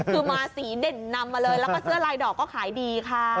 คือมาสีเด่นนำมาเลยแล้วก็เสื้อลายดอกก็ขายดีค่ะ